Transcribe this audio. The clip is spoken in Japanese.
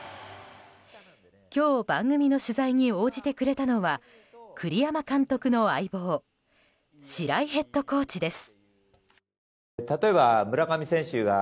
今日、番組の取材に応じてくれたのは栗山監督の相棒白井ヘッドコーチです。